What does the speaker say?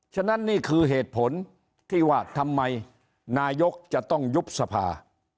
ฉะนั้นนี่คือเหตุผลที่ว่าทำไมนายกจะต้องยุบสภา